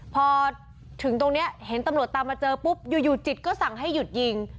พอถึงตรงนี้เห็นตำรวจตามมาเจอปุ๊บอยู่จิตก็สั่งให้หยุดยิง